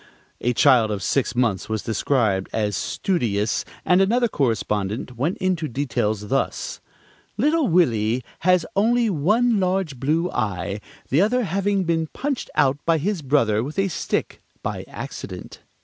A child of six months was described as "studious"; and another correspondent went into details thus: "Little Willie has only one large blue eye, the other having been punched out by his brother with a stick, by accident."